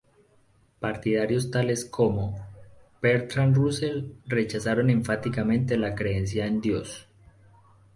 Partidarios tales como Bertrand Russell rechazaron enfáticamente la creencia en Dios.